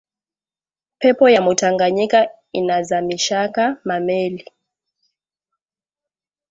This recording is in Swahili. Pepo ya mu tanganyika inazamishaka ma meli